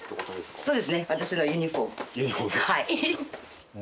そうです。